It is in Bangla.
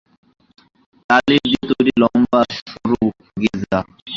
লাল ইট দিয়ে তৈরী, লম্বা, সরু গির্জা।